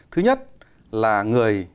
thứ nhất là người